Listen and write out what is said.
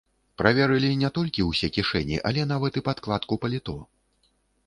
Праверылі не толькі ўсе кішэні, але нават і падкладку паліто!